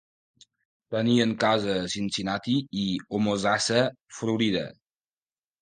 Tenien casa a Cincinnati i Homosassa, Florida.